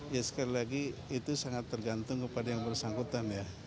ya sekali lagi itu sangat tergantung kepada yang bersangkutan ya